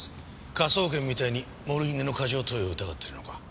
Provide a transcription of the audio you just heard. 科捜研みたいにモルヒネの過剰投与を疑ってるのか？